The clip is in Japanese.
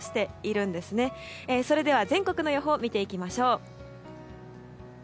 それでは全国の予報見ていきましょう。